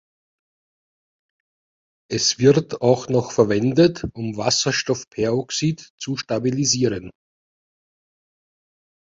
Es wird auch noch verwendet um Wasserstoffperoxid zu stabilisieren.